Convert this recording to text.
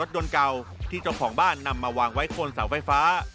ยนต์เก่าที่เจ้าของบ้านนำมาวางไว้บนเสาไฟฟ้า